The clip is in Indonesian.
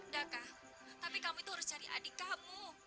daka tapi kamu itu harus cari adik kamu